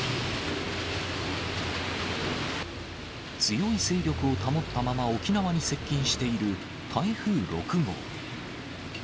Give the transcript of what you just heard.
強い勢力を保ったまま、沖縄に接近している台風６号。